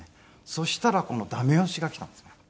そしたらこの駄目押しが来たんですね。